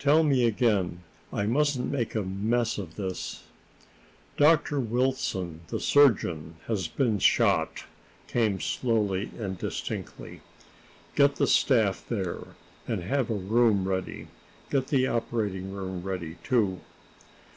"Tell me again. I mustn't make a mess of this." "Dr. Wilson, the surgeon, has been shot," came slowly and distinctly. "Get the staff there and have a room ready. Get the operating room ready, too."